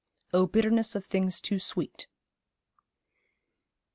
'O BITTERNESS OF THINGS TOO SWEET.'